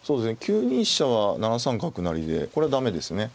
９二飛車は７三角成でこれは駄目ですね。